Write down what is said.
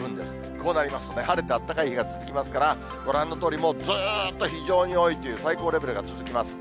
こうなりますと、晴れてあったかい日が続きますから、ご覧のとおり、もうずっと非常に多いという最高レベルが続きます。